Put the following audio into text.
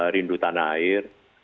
rindu tanah air